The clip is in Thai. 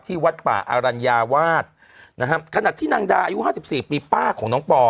ที่วัดป่าอรัญญาวาสนะครับขนาดที่นางดาอายุ๕๔ปีป้าของน้องปอ